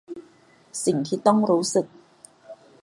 สิ่งที่ต้องรู้สึก